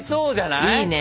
いいね。